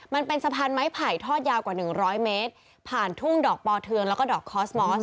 มันเป็นสะพานไม้ผ่ายทอดยาวกว่า๑๐๐เมตรผ่านทุ่งดอกปอเทืองแล้วก็ดอกคอสโมส